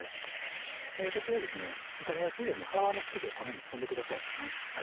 こちらですね炒めやすいように葉は手でこのように摘んでください。